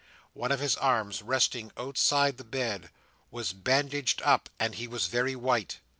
One of his arms, resting outside the bed, was bandaged up, and he was very white.